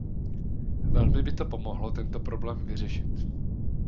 Velmi by to pomohlo tento problém vyřešit.